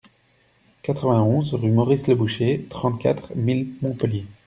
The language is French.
quatre-vingt-onze rue Maurice Le Boucher, trente-quatre mille Montpellier